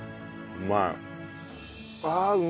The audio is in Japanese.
うまい。